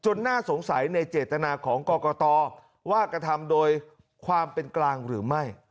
น่าสงสัยในเจตนาของกรกตว่ากระทำโดยความเป็นกลางหรือไม่